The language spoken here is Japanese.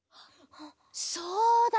そうだ！